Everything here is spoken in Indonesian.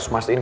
saya di sini